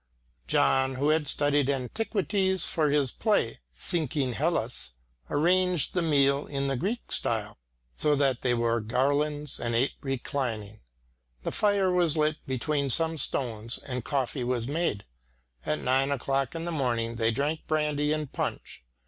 John, who had studied antiquities for his play, Sinking Hellas, arranged the meal in the Greek style, so that they wore garlands, and ate reclining. A fire was lit between some stones and coffee was made. At nine o'clock in the morning they drank brandy and punch.